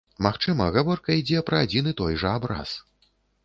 Магчыма, гаворка ідзе пра адзін і той жа абраз.